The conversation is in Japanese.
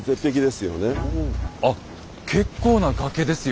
あっ結構な崖ですよ。